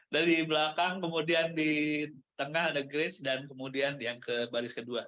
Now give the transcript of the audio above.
dari belakang kemudian di tengah ada grace dan kemudian yang ke baris kedua